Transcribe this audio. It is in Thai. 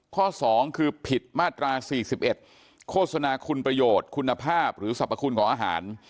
ข้อ๒คือผิดมาตรา๔๑โฆษณาคุณประโยชน์คุณภาพหรือสรรพคุณของอาหาร